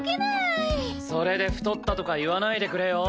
それで太ったとか言わないでくれよ。